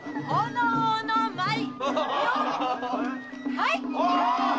はい！